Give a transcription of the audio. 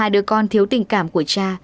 hai đứa con thiếu tình cảm của cha